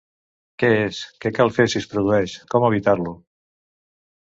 Què és, què cal fer si es produeix, com evitar-lo?